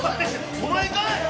お前かい！？